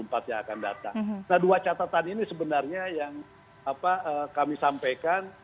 nah dua catatan ini sebenarnya yang kami sampaikan